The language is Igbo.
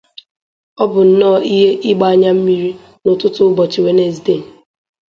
Ọ bụ nnọọ ihe ịgba anyammiri n'ụtụtụ ụbọchị Wenezdee